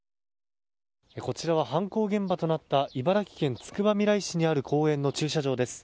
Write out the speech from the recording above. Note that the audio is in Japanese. こちらが犯行現場となった茨城県つくばみらい市にある公園の駐車場です。